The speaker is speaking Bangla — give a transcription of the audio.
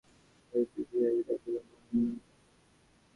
চাহিতেই বিহারী ডাকিল, মহিনদা, এসো।